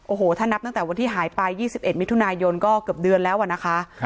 โอ้โหถ้านับตั้งแต่วันที่หายไป๒๑มิถุนายนก็เกือบเดือนแล้วอะนะคะ